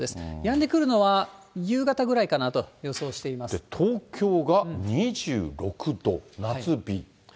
やんでくるのは夕方ぐらいかなと東京が２６度、夏日。